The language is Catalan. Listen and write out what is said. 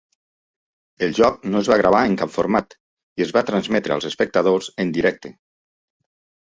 El joc no es va gravar en cap format i es va transmetre als espectadors en directe.